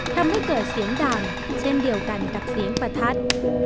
ทำให้เกิดเสียงดังเช่นเดียวกันกับเสียงประทัด